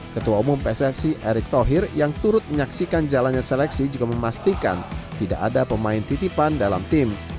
ketua umum pssi erick thohir yang turut menyaksikan jalannya seleksi juga memastikan tidak ada pemain titipan dalam tim